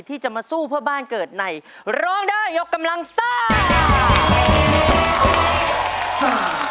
ที่จะมาสู้เพื่อบ้านเกิดในร้องได้ยกกำลังซ่า